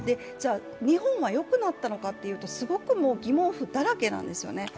日本はよくなったのかというとすごく疑問符だらけなんですよね。